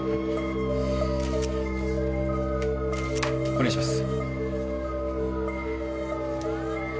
お願いします。